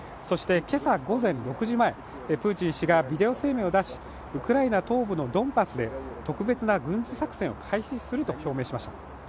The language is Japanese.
そして、今朝午前６時前、プーチン氏がビデオ声明を出し、ウクライナ東部のドンバスで特別な軍事作戦を開始すると表明しました。